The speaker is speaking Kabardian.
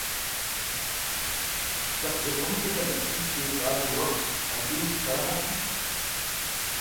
Лъэпкъ зэхуэмыдэхэм ящыщти – щӏалэр уэркът, ӏэдииху къарэхьэлкъыпхъут.